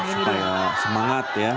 seperti semangat ya